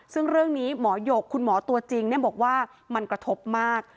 ซึ่งเรื่องนี้หมอหยกคุณหมอตัวจริงบอกว่ามันกระทบมาก